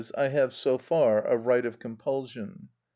_, I have so far a right of compulsion.